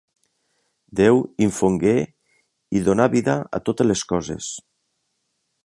Déu infongué i donà vida a totes les coses.